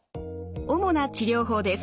主な治療法です。